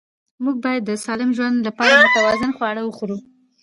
موږ باید د سالم ژوند لپاره متوازن خواړه وخورو